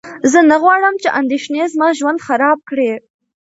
زه نه غواړم چې اندېښنې زما ژوند خراب کړي.